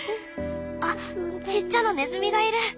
あっちっちゃなネズミがいる。